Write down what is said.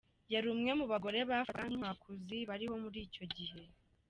Yari umwe mu bagore bafatwaga nk’inkwakuzi bariho muri icyo gihe.